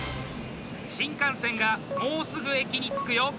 新幹線がもうすぐ駅に着くよ。